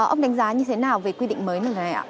ông đánh giá như thế nào về quy định mới này ạ